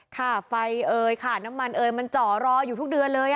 ค่ะไฟเอ๋ยค่ะน้ำมันเอยมันเจาะรออยู่ทุกเดือนเลย